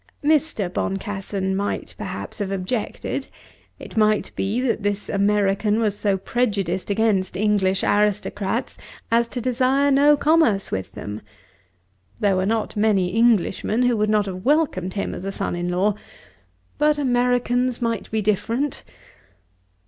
Mr. Boncassen might perhaps have objected. It might be that this American was so prejudiced against English aristocrats as to desire no commerce with them. There were not many Englishmen who would not have welcomed him as son in law, but Americans might be different.